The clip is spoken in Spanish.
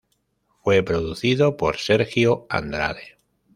Fue producido por Sergio Andrade.